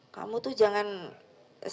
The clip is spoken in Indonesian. kamu tuh jangan sentralisasi